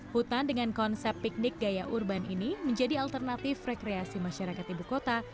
hutan dengan konsep piknik gaya urban ini menjadi alternatif rekreasi masyarakat ibu kota